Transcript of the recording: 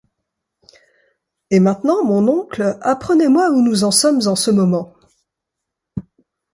Et maintenant, mon oncle, apprenez-moi où nous sommes en ce moment.